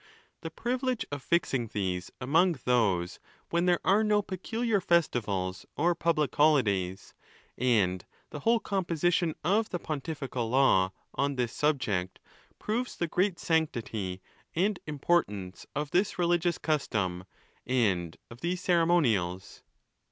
The privilege of fixing these among those when there are no peculiar festivals or public holidays, and the whole composition of the pontifical law on this subject, proves the great sanctity and importance of this religious custom and of these ceremonials.